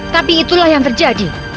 tapi itulah yang terjadi